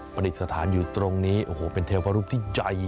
ปฏิสถานอยู่ตรงนี้โอ้โฮเป็นเทวภารุปที่ใหญ่